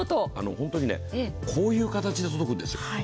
ホントにこういう形で届くんですよ。